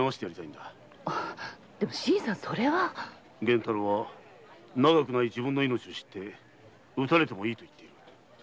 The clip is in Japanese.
源太郎は長くない自分の命を知り討たれてもいいと言っている。